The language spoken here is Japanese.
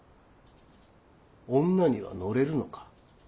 女には乗れるのか？